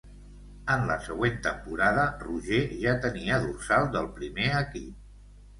En la següent temporada, Roger ja tenia dorsal del primer equip.